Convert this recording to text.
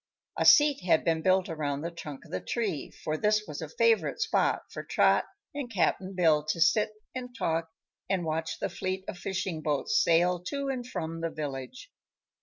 A seat had been built around the trunk of the tree, for this was a favorite spot for Trot and Cap'n Bill to sit and talk and watch the fleet of fishing boats sail to and from the village.